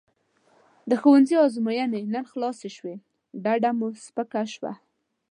د ښوونځي ازموینې مو نن خلاصې شوې ډډه مې سپکه شوه.